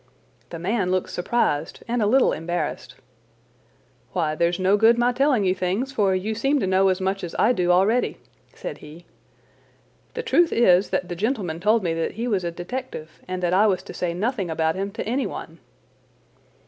The man looked surprised and a little embarrassed. "Why, there's no good my telling you things, for you seem to know as much as I do already," said he. "The truth is that the gentleman told me that he was a detective and that I was to say nothing about him to anyone."